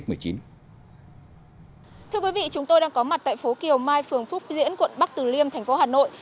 thưa quý vị chúng tôi đang có mặt tại phố kiều mai phường phúc diễn quận bắc từ liêm thành phố hà nội